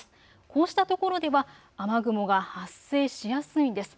こうしたところでは雨雲が発生しやすいんです。